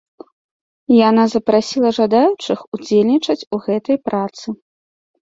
Яна запрасіла жадаючых удзельнічаць у гэтай працы.